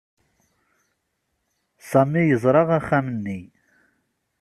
Sami yeẓra axxam-nni.